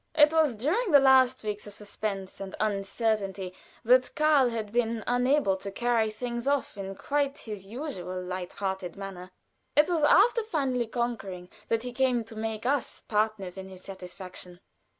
It was during the last weeks of suspense and uncertainty that Karl had been unable to carry things off in quite his usual light hearted manner; it was after finally conquering that he came to make us partners in his satisfaction.